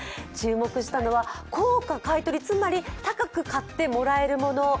注目したのは高価買い取り、つまり高く買い取ってもらえるもの